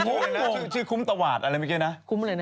ง่วงชื่อคุ้มตวาสอะไรเมื่อกี้นะ